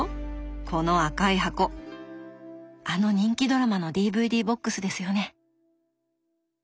この赤い箱あの人気ドラマのＤＶＤボックスですよね。